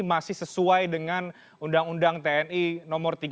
masih sesuai dengan undang undang tni nomor tiga